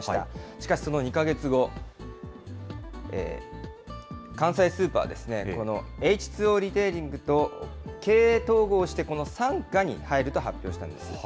しかしその２か月後、関西スーパーは、このエイチ・ツー・オーリテイリングと経営統合して、この傘下に入ると発表したんです。